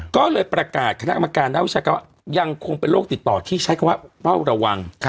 ก็เลยประกาศคณะกรรมการนักวิชาการว่ายังคงเป็นโรคติดต่อที่ใช้คำว่าเฝ้าระวัง